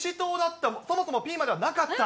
そもそもピーマンじゃなかった？